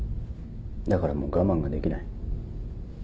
だからもう我慢ができない。